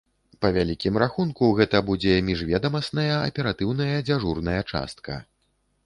Па вялікім рахунку, гэта будзе міжведамасная аператыўная дзяжурная частка.